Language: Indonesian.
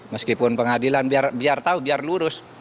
meskipun pengadilan biar tahu biar lurus